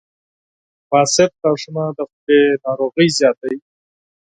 • فاسد غاښونه د خولې ناروغۍ زیاتوي.